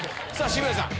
渋谷さん